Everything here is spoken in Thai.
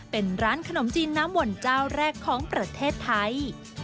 เป็นร้านขนมจีนน้ำมนต์เจ้าแรกของประเทศไทย